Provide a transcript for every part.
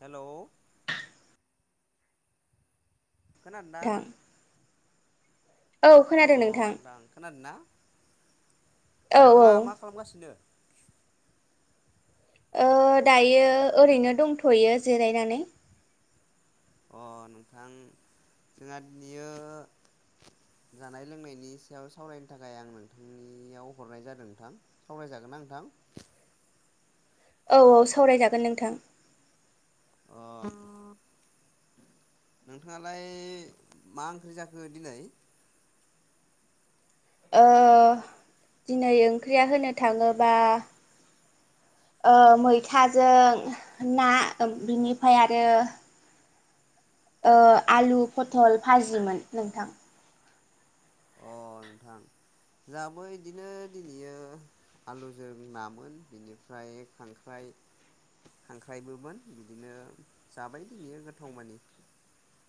हेल' खोनादोना? नोंथां औ खोनादों नोंथां खोनादों ना औ औ नोंथाङा मा खालामगासिनो? ओ दायो ओरैनो दंथ'यो जिरायनानै अ नोंथां जोंहा बियो! जानाय लोंनायनि सायाव सावरायनो थाखाय आं नोंथांनियाव हरनाय जादों नोंथां। सावरायजागोन ना नोंथां? [unintelligible] औ औ सावरायजागोन नोंथां। अ नोंथाङालाय मा ओंख्रि जाखो दिनै? ओ दिनै ओंख्रिया होनो थाङोबा ओ मैथाजों ना बिनिफ्राय आरो ओ आलु फथल भाजिमोन नोंथां। अ नोंथां जाबो इदिनो दिनैयो आलुजों नामोन बिनिफ्राय खांख्राइ। खांख्राइखोबो बिदिनो जाबाय दिनियो गोथाव मानि।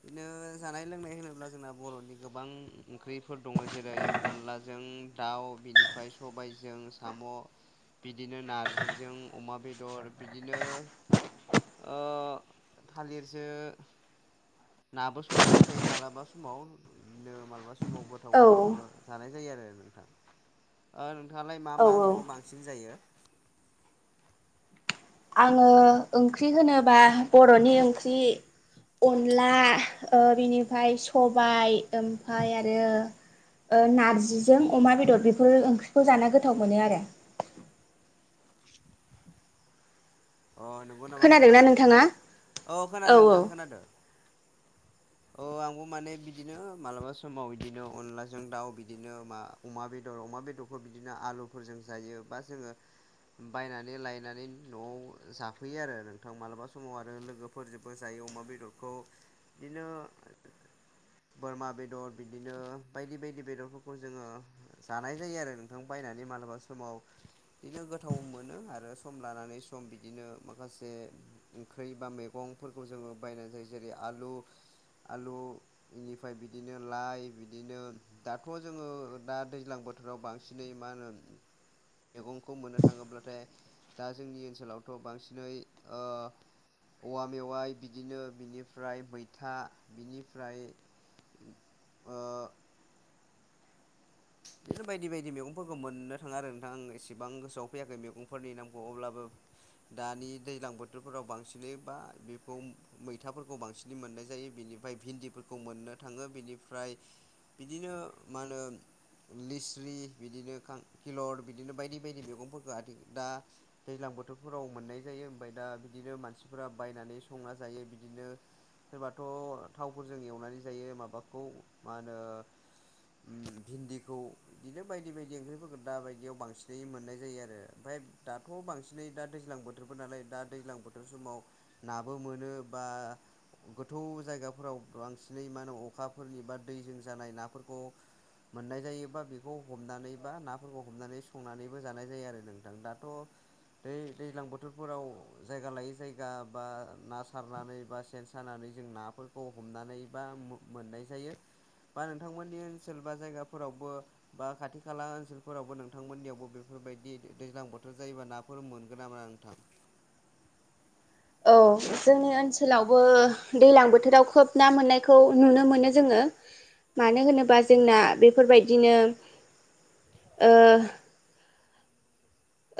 बिदिनो जानाय लोंनाय होनोब्ला जोंना बर'नि गोबां ओंख्रिफोर दं। जेरै अनलाजों दाउ बिनिफ्राय सबायजों साम'। बिदिनो नारजिजों अमा बेदर बिदिनो। ओ थालिरजो! नाबो संनानै जायो मालाबा समाव बिनो मालाबा सम समाव गोथाव औ गोथावबो जानाय जायो आरो नोंथां। ओ नों नोंथाङालाय मा औ मा औ ओंख्रिखौ बांसिन जायो? आङो ओंख्रि होनोबा बर'नि ओंख्रि। अनला ओ बिनिफ्राय सबाय ओमफ्राय आरो ओ नारजिजों अमा बेदर बेफोर ओंख्रिखौ जाना गोथाव मोनो आरो। अ नंगौ नामा नोंथां, खोनादोंना नोंथाङा? औ खोनादों नोंथां खोनादों। औ आंबो माने बिदिनो मालाबा समाव बिदिनो अनलाजों दाउ बिदिनो अमा बेदर। अमा बेदरखौ बिदिनो आलुफोरजों जायो बा जोङो बायनानै लायनानै न'आव। जाफैयो आरो नोंथां मालाबा समाव आरो लोगोफोरजोंबो जायो अमा बेदरखौ बिदिनो। [inaudible] बोरमा बेदर बिदिनो बायदि बायदि बेदरफोरखौ जोङो जानाय जायो आरो नोंथां। बायनानै मालाबा समाव बिदिनो गोथाव मोनो आरो सम लानानै सम बि बिदिनो माखासे ओंख्रि बा मैगंफोरखौ जोङो बायनानै जायो जेरै आलु आलु बेनिफ्राय बिदिनो लाइ बिदिनो दाथ' जोङो दा दैज्लां बो फोथोराव बांसिनै मा होनो मैगंखौ मोननो थाङोब्लाथाय दा जोंनि ओनसोलाव थ' बांसिनै ओ औवा मेवाइ बिदिनो बिनिफ्राय मैथा बिनिफ्राय। ओ बेफोर बायदि बायदि मैगंफोरखौ मोननो थाङो आरो नोंथां आं इसेबां गोसोआव फैयाखै मैगंफोरनि नामखौ अब्लाबो ओ दानि दैज्लां बोथोरफोराव बांसिनै बा बेखौ मैथाफोरखौ बांसिनै मोननाय जायो बेनि बिनिफ्राय भिन्दिफोरखौ मोननो थाङो बिनिफ्राय बिदिनो मा होनो लिस्रि बिदिनो खांकिलर बिदिनो बायदि बायदि मैगंफोरखौ आथि दा दैज्लां बोथोरफोराव मोननाय जायो ओमफ्राय दा बिदिनो मानसिफोरा बायनानै संना जायो बिदिनो। सोरबाथ' थावफोरजों एवनानै जायो माबाखौ मा होनो? भिन्दिखौ। बिदिनो बायदि बायदि ओंख्रिफोरखौ दा बायदियाव बांसिनै मोननाय जायो आरो ओमफ्राय दाथ' बांसिनै दा दैज्लां। बोथोरफोर नालाय दा दैज्लां बोथोर समाव नाबो मोनो बा गोथौ जायगाफोराव बांसिनै मा होनो अखाफोरनि बा दैजों जानाय नाफोरखौ मोननाय जायोबा बेखौ हमनानैबा नाफोरखौ हमनानै संनानैबो जानाय जायो आरो नोंथां दाथ' दै दैज्लां बोथोरफोराव जायगा लायै जायगा बा ना सारनानै बा सेन सानानै। जों नाफोरखौ हनानै बा मोननाय जायो बा नोंथांमोननि ओनसोल बा जायगा फोरावबो बा खाथि खाला ओनसोलफोरावबो नोंथांमोननियावबो बेफोरबायदि दैज्लां बोथोर जायोबा नाफोर फोर मोनगोना मोना नोंथां? औ जोंनि ओनसोलावबो दै्लां बोथोराव खोब ना मोननायखौ नुनो मोनो जोङो मानो होनोबा जोंना बेफोरबायदिनो ओ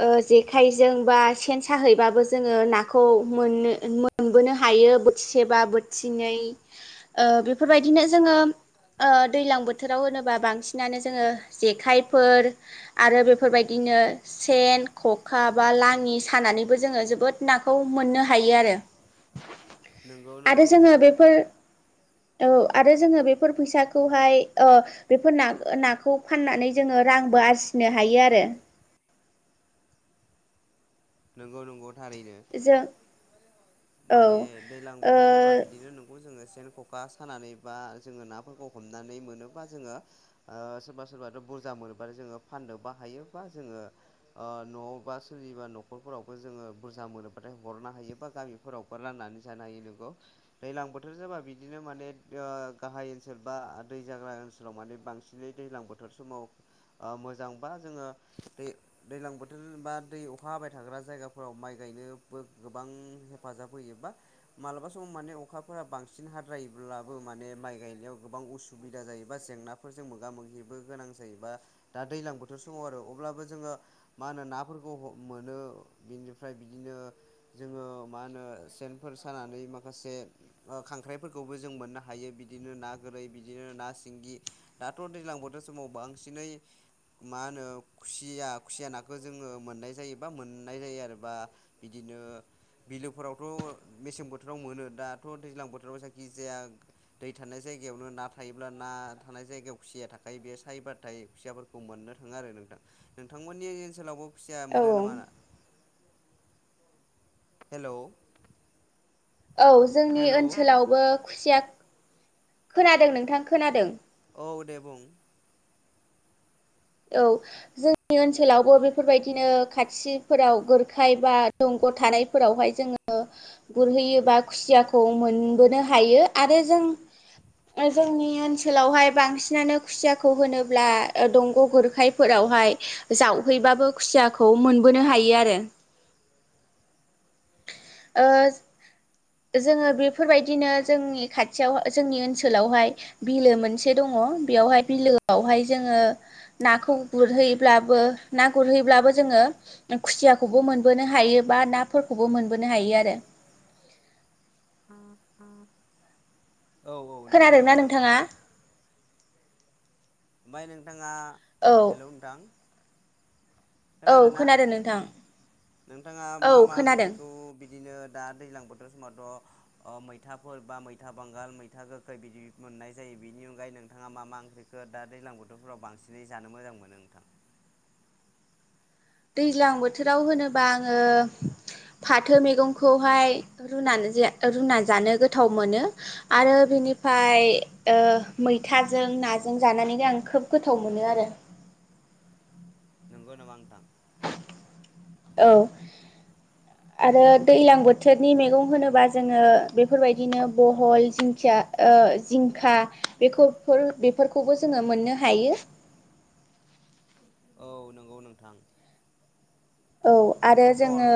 ओ जेखाइजों बा सेन साहैबाबो जोङो नाखौ मोननो मोनबोनो हायो। हायो बोथिसेबा बोथिनै बेफोरबायदिनो जोङो। ओ दैज्लां बोथोराव होनोबा बांसिनानो जोङो जेखाइफोर आरो बेफोरबायदिनो। सेन ख'खा बा लाङि सानानैबो जोङो जोबोद नाखौ मोननो हायो आरो। [inaudible] आरो नंगौ जोङो बेफोर [inaudible] औ आरो जोङो बेफोर फैसाखौहाय ओ बेफोर ना नाखौ फाननानै जोङो रां ब बासिनो हायो आरो नोंगौ नोंगौ थारैनो जों औ माने दैलां बोथोर जाबा बिदिनो नोंगौ जोङो सेन ख'खा सानानै बा जोङो नाफोरखौ हमनानै मोनोबा जोङो सोरबा सोरबाथ' बुरजा मोनोबा जोङो फाननोबो हायो बा जोङो न'आव बा सोरनिबा न'खर न'खरफोरावबो जोङो बुरजा मोनोबाथाय हरनो हायो बा गामिफोरावबो राननानै जानो हायो नोंगौ दैज्लां। बोथोर जाबा बिदिनो माने ओ गाहाय ओनसोल बा दै जाग्रा ओनसोलाव माने बांसिनै दैजां बोथोर बोथोर समाव मोजांबा जोङो दै दैज्लां बोथोर बा दै अखा हाबाय थाग्रा जायगाफोराव माइ गायनोबो गोबां हेफाजाब होयो बा मालाबा समाव माने अखा बांसिन हाद्रायोब्लाबो माने माइ गायनायाव गोबां असुबिदा जायोबा जेंनाफोरजों मोगा मोगि बो गोनां जायो बा दा दैज्लां बोथोर समाव आरो अब्लाबो जोङो मा होनो नाफोरखौ हमो औ बिनिफ्राय बिदिनो जोङो मा होनो सेनफोर सानानै माखासे ओ खां ख्राइफोरखौबो जों मोननो हायो बिदिनो ना गोरै बिदिनो ना सिंगि दाथ' दैज्लां बोथोर समाव बांसिनै मा होनो खुसिया खुसिया नाखो जोङो मोननाय जायो। बा मोननाय जायो आरो बा बिदिनो बिलोफोरावथ' मेसें बोथोराव मोनो दाथ' दैज्लां बोथोराव जायखि जाया दै थानाय जाय गायावनो ना थायोब्ला ना थानाय जायगायाव खुसिया थाखायो बे सायबाथाय खुसियाफोरखौ मोननो थाङो आरो नोंथां। नोंथांमोननि ओनसोलावबो खुसिया ओ औ मोनो नामा? हेल' औ जोंनि ओनसोलावबो खुसिया खोनादों नोंथां खोनादों। औ दे बुं। औ जोंनि ओनसोलावबो बेफोरबायदिनो खाथिफोराव गोरखाय बा दं ग' थानायफोरावहाय जोङो गुरहैयोबा खुसियाखौ मोनबोनो हायो आरो जों जोंनि ओनसोलावहाय बांसिनानो खुसियाखौ होनोब्ला ओ दं ग' गुरखायफोरावहाय जावहैबाबो खुसियाखौ मोनबोनो हायो आरो [inaudible] ओ जोङो बेफोरबायदिनो जोंनि खाथियाव जोंनि ओनसोलावहाय बिलो मोनसे दं ङ' बिआवहाय बिलोआवहाय जोङो नाखौ गुरहैब्लाबो ना गुरहैब्लाबो जोङो खुसियाखौबो मोनबोनो हायो बा नाफोरखौबो मोनब बोनो हायो आरो। औ औ नोंगौ खोनादोंना नोंथां। नोंथाङा ओमफ्राय नोंथाङा औ हेल' नोंथां। औ खोनादोना खोनादों नोंथां नोंथाङा औ मा मा खोनादों ओंख्रिखौ बिद दिनो दा दैज्लां बोथोर समावथ' मैथाफोर बा मैथा बांगाल मैथा गोखै बिदि मोननाय जायो बिनि अनगायै नोंथाङा मा मा ओंख्रिखो दा दैज्लां बोथोरफोराव बांसिनै जानो मोजां मोनो नोंथां? [inaudible] दैज्लां बोथोराव होनोबा आङो फाथो मैगंखौहाय रुनानै जा रुनानै जानो गोथाव मोनो आरो बिनि निफाय ओ मैथाजों नाजों जानानै आं खोब गोथाव मोनो आरो नोंगौ नामा नोंथां? औ। [inaudible] आरो दैलां बोथोरनि मैगं होनोबा जोङो बेफोरबायदिनो बहल जिंखिया ओ ओ जिंखा बेखौफोर बेफोरखौबो जोङो मोननो हायो। औ नोंगौ नोंथां। औ आरो पटल जोङो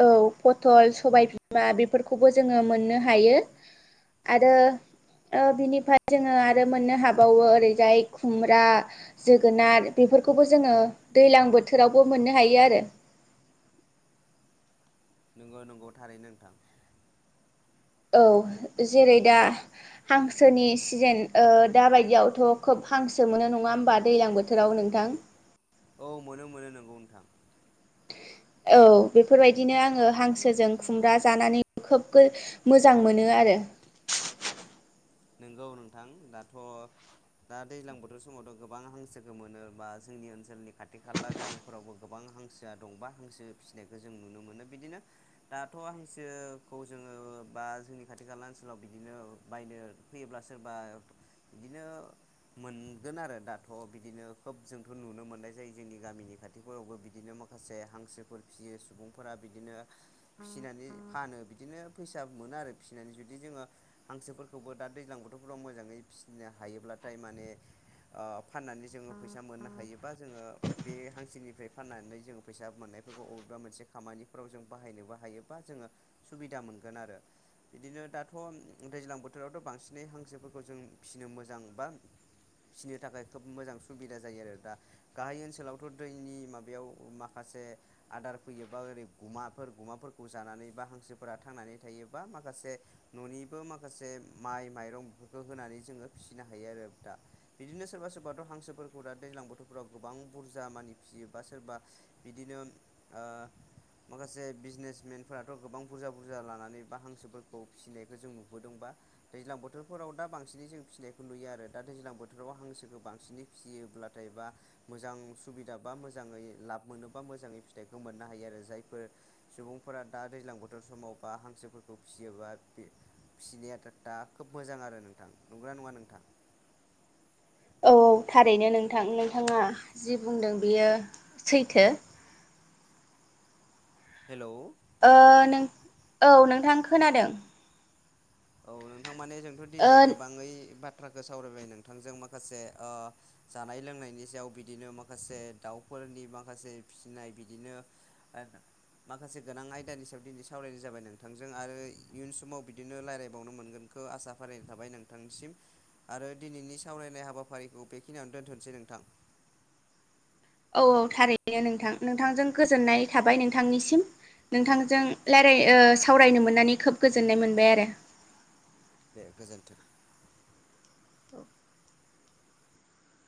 औ पतल सबाय बिमा बेफोरखौबो जोङो मोननो हायो। आरो ओ बिनिफ्राय जोङो आरो मोननो हाबावो ओरैजाय खुमब्रा जोगोनार बेफ बेफोरखौबो जोङो दैलां बोथोरावबो मोननो हायो आरो [inaudible] नोंगौ नोंगौ थारैनो नोंथां। औ जेरै दा हांसोनि सिजेन ओ दाबायदियावथ' खोब हांसो मोनो नङा होमबा दैलां बोथोराव नों थां। औ मोनो मोनो नोंगौ नोंथां। औ बेफोरबायदिनो आङो हांसोजों खुमब्रा जानानै खोब गो मोजां मोनो आरो। नंगौ नोंथां दाथ'। दा दैज्लां बोथोर समावथ' गोबां हांसोखौ मोनो बा जोंनि ओनसोलनि खाथि खाला गामिफोरावबो गोबां। हांसोआ दं बा हांसो फिनायखौ जों नुनो मोनो बिदिनो दाथ' हांसोखौ जोङो ओ बा जोंनि खाथि खाला ओनसोलाव बिदिनो बायनो फैयोब्ला सोरबा बिदिनो मोनगोन आरो दाथ' बिदिनो खोब जोंथ' नुनो मोननाय जायो जोंनि गामिनि खाथिफोरावबो बिदिनो माखासे हांसोफोर फियो सुबुंफोरा बिदिनो फिनानै फानो। बिदिनो फैसा मोनो आरो फिनानै जुदि जोङो हांसोफोरखौबो दा दैज्लां बोथोरफ्राव मोजाङै फिनो हायोब्लाथाय माने ओ फाननानै जोङो फैसा मोननो हायो। बा जोङो बे हांसोनिफ्राय फाननानै जोङो फैसा मोननायफोरखौ अबेबा मोनसे खामानिफोराव जों बाहायनो नोबो हायो बा जोङो सुबिदा मोनगोन आरो बिदिनो दाथ' दैजां बोथोरावथ' बांसिन। बे हांसोफोरखौ जों फिनो मोजां बा फिनो थाखाय खोब मोजां सुबिदा जायो आरो दा गाहाय ओनसोलावथ' दैनि माबायाव माखासे से आदार फैयो बा ओरै गुमाफोर गुमाफोरखौ जानानै बा हांसोफोरा थांनानै थायोबा माखा से न'निबो माखासे माइ माइरं बेफोरखौ होनानै जोङो फिनो हायो आरो दा बिदिनो सोरबा सोरबाथ' हांसोफोरखौ दा दैज्लां बोथोर राव गोबां बुरजामानि फियो बा सोरबा बिदिनो ओ माखासे बिजिनेसमेनफोराथ' गोबां बुरजा बुरजा लानानै बा हांसोफोरखौ फिनायखौ जों नुबोदों बा दैज्लां बोथोरफोराव दा बांसिनै जों फिनायखौ नुयो आरो दा दैज्लां बोथोराव हांसोखौ बांसिनै फियोब्लाथाय बा मोजां सुबिदा बा मोजाङै लाब मोनो बा मोजाङै फिथाइखौ मोननो हायो आरो जायफोर सुबुंफोरा दा दैज्लां बोथोर समाव बा हांसोफोरखौ फियोबा बि फिनाया दा खोब मोजां आरो नोंथां नोंगौना नङा नोंथां? औ औ थारैनो नोंथां नोंथाङा जि बुंदों बेयो सैथो। हेलौ। ओ नों औ नोंथां खोनादों। औ नोंथां माने जोंथ' दिनै ओ गोबाङै बा थ्राखौ सावरायबाय नोंथांजों माखासे ओ जानाय लोंनायनि सायाव बिदिनो माखासे दाउफोर फोरनि माखासे फिसिनाय बिदिनो ओ माखासे गोनां आयदानि सायाव दिनै सावरायनाय जाबाय नोंथांजों आरो इयुन समाव बिदिनो रायजलायबावनो मोनगोन -खौ आसा फारिनाय थाबाय नोंथांनिसिम आरो दिनैनि सावरायनाय हाबाफारिखौ बेखिनियावनो दोनथ'नोसै नों -थां। औ औ थारैनो नोंथां नोंथांजों गोजोननाय थाबाय नोंथांनिसिम नोंथांजों रायलाय ओ सावरायनो मोननानै खोब गोजोननाय मोनबाय आरो दे गोजोन्थों